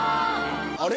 あれ？